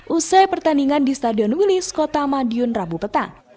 usai pertandingan di stadion wilis kota madiun rabu petang